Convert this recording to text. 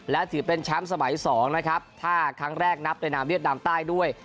และถือเป็นแชมป์สมัย๒นะครับถ้าครั้งแรกนับในนามเวียดนามใต้ด้วย